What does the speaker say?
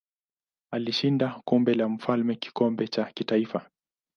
Alishinda Kombe la Mfalme kikombe cha kitaifa.